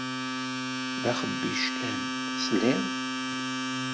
D axebbic kan, tesliḍ?